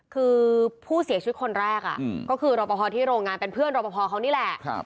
คือผู้เสียชีวิตคนแรกก็คือรอปภที่โรงงานเป็นเพื่อนรอปภเขานี่แหละ